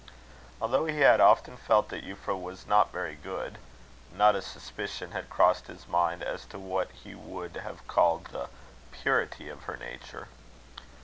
Although he had often felt that Euphra was not very good, not a suspicion had crossed his mind as to what he would have called the purity of her nature.